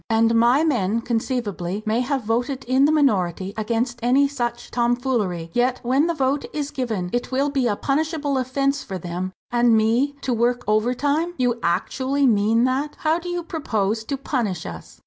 "And my men conceivably may have voted in the minority, against any such tomfoolery; yet, when the vote is given, it will be a punishable offence for them, and me, to work overtime? You actually mean that; how do you propose to punish us?"